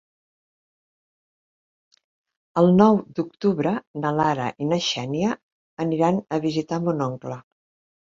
El nou d'octubre na Lara i na Xènia aniran a visitar mon oncle.